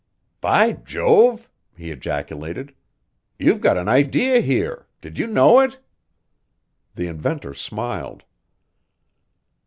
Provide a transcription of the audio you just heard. "By Jove!" he ejaculated. "You've got an idea here. Did you know it?" The inventor smiled.